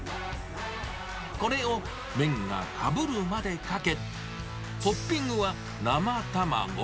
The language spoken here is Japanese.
これを麺がかぶるまでかけ、トッピングは生卵。